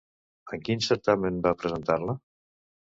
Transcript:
I en quin certamen va presentar-la?